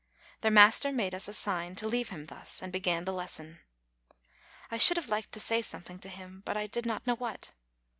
The master made us a sign to leave him thus, and began the lesson. I should have liked to say something to him, but I did not know what.